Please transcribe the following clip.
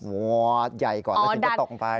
ว้าวใหญ่ก่อนแล้วก็ตกลงไป